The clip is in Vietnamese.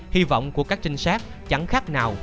hy vọng của các trinh sát chẳng khác nào